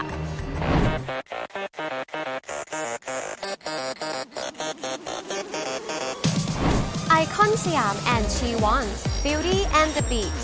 ไอคอนสยามชีวอนบิวตี้ด้าบีท